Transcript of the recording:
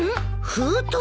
封筒？